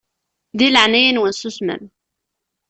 Di leɛnaya-nwen susmem.